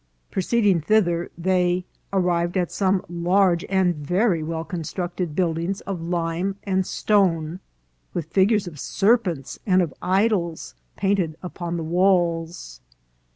Proceeding thith er, they " arrived at some large and very well construct ed buildings of lime and stone, with figures of serpents and of idols painted upon the walls."